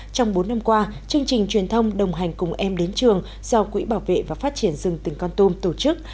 trong bốn năm qua chương trình truyền thông đồng hành cùng em đến trường do quỹ bảo vệ và phát triển rừng tỉnh con tum tổ chức